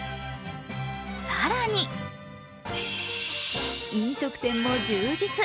更に、飲食店も充実。